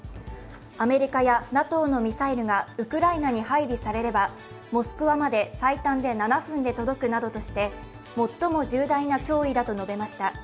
アメリカやＮＡＴＯのミサイルがウクライナに配備されればモスクワまで最短で７分で届くなどとして最も重大な脅威だと述べました。